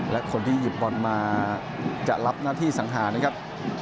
และคนที่หยิบบอลมาจะรับหน้าที่สังหารนะครับ